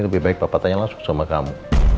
lebih baik bapak tanya langsung sama kamu